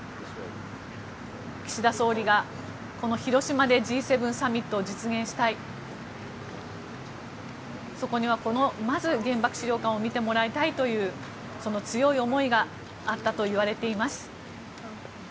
岸田総理がこの広島でＧ７サミットを実現したいそこにはまず、原爆資料館を見てもらいたいというその強い思いがあったといわれています。